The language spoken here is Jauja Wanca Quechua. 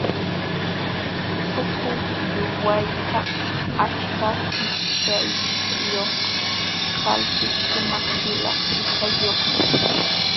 Tuqulluwaykaq achka kichkayuq kalpis shumaq yulaq sisayuqmi.